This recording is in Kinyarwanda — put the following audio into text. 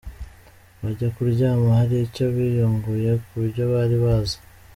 Bajya kuryama hari icyo biyunguye ku byo bari bazi.